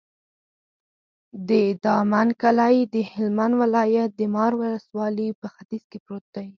د دامن کلی د هلمند ولایت، د مار ولسوالي په ختیځ کې پروت دی.